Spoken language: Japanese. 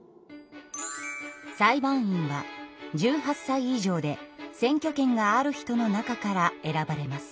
裁判員は１８歳以上で選挙権がある人の中から選ばれます。